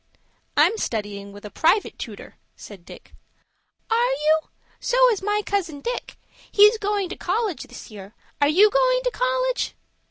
"I'm studying with a private tutor," said Dick. "Are you? So is my cousin Dick. He's going to college this year. Are you going to college?"